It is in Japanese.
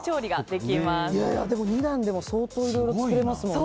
でも２段でも相当いろいろ作れますもんね。